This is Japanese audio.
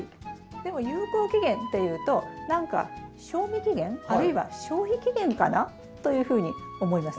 でも有効期限っていうと何か賞味期限あるいは消費期限かな？というふうに思います。